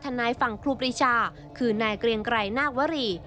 นายฝั่งครูปรีชาคือนายเกรียงไกรนาควรี